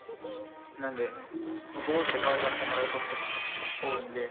なので坊主でかわいがってもらう事とかも多いんで。